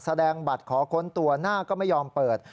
แสดงบัตรขอค้นตัวหน้าก็ไม่ยอมเปิด